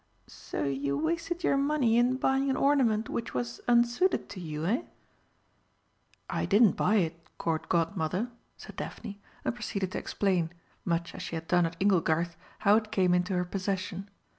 "So you wasted your money in buying an ornament which was unsuited to you, eh?" "I didn't buy it, Court Godmother," said Daphne, and proceeded to explain much as she had done at "Inglegarth" how it came into her possession.